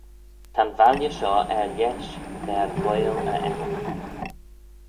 Ta'n valley shoh er-lesh v'er ghoaill e ennym.